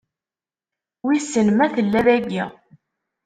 Wissen ma tella dagi?